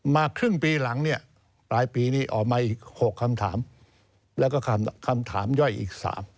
ครึ่งปีหลังเนี่ยปลายปีนี้ออกมาอีก๖คำถามแล้วก็คำถามย่อยอีก๓